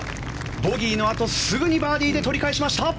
ボギーのあとすぐにバーディーで取り返しました。